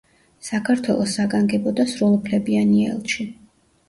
საქართველოს საგანგებო და სრულუფლებიანი ელჩი.